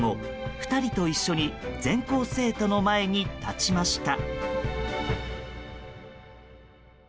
２人と一緒に全校生徒の前に立ちました。